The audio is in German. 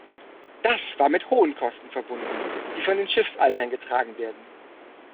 Das war mit hohen Kosten verbunden, die von den Schiffseignern getragen werden.